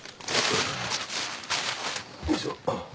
よいしょ。